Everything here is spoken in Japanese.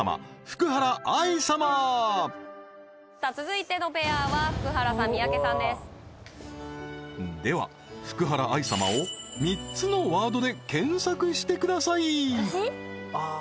福原愛様さあ続いてのペアは福原さん三宅さんですでは福原愛様を３つのワードで検索してください私？